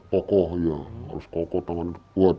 kokoh iya harus kokoh tangan kuat